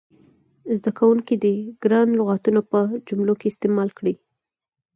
زده کوونکي دې ګران لغتونه په جملو کې استعمال کړي.